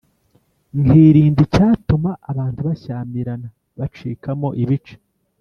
nkirinda icyatuma abantu bashyamirana, bacikamo ibice.